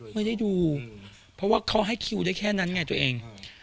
ไม่ได้ดูเพราะว่าเขาให้คิวได้แค่นั้นไงตัวเอง